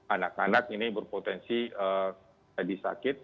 anak anak ini berpotensi jadi sakit